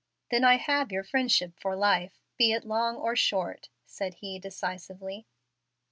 "Then I have your friendship for life, be it long or short," said he, decisively.